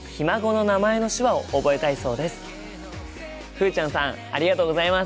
ふうちゃんさんありがとうございます。